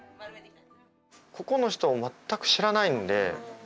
ここの人を全く知らないので。